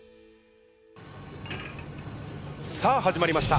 さあ始まりました。